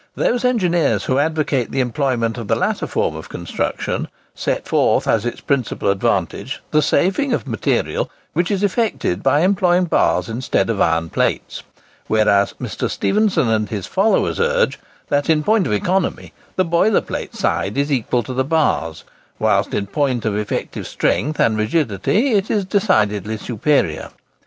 Those engineers who advocate the employment of the latter form of construction, set forth as its principal advantage the saving of material which is effected by employing bars instead of iron plates; whereas Mr. Stephenson and his followers urge, that in point of economy the boiler plate side is equal to the bars, whilst in point of effective strength and rigidity it is decidedly superior.